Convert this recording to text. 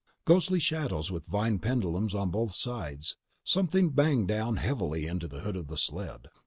Ghostly shadows with vine pendulums on both sides. Something banged down heavily onto the hood of the sled.